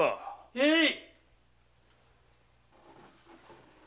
・へい！